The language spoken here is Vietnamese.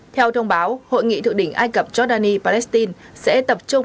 theo thông báo hội nghị thượng đỉnh ai cập giordani palestine sẽ tập trung